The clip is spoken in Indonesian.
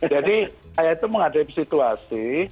jadi saya itu menghadapi situasi